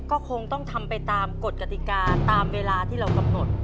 ก็คงต้องทำไปตามกฎกติกาตามเวลาที่เรากำหนด